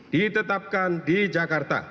ditetapkan di jakarta